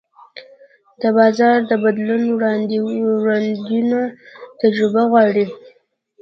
د بازار د بدلون وړاندوینه تجربه غواړي.